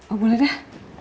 oh boleh dah